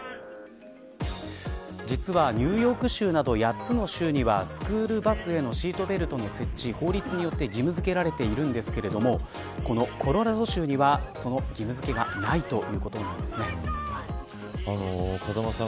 実は、ニューヨーク州など８つの州には、スクールバスでのシートベルトの設置法律によって義務付けられているんですけどコロラド州にはその義務付けがない風間さん